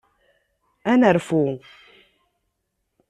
Ad nerfu.